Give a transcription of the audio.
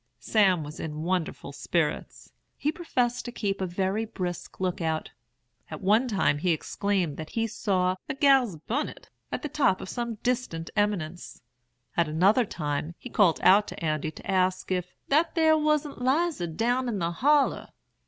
Sam was in wonderful spirits. He professed to keep a very brisk lookout. At one time he exclaimed that he saw 'a gal's bunnet' on the top of some distant eminence; at another time, he called out to Andy to ask if 'that thar wasn't Lizy down in the holler.'